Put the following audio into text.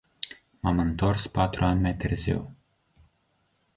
M-am întors patru ani mai târziu.